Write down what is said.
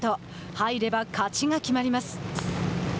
入れば勝ちが決まります。